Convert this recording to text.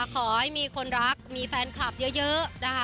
ขอให้มีคนรักมีแฟนคลับเยอะนะคะ